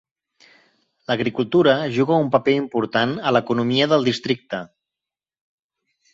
L"agricultura juga un paper important a l"economia del districte.